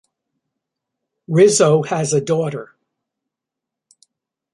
Rizzo has a daughter.